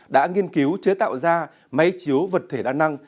đã nghiên cứu chế tạo ra máy chiếu vật thể đa năng